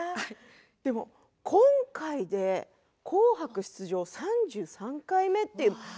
でも今回で「紅白」出場が３３回目という。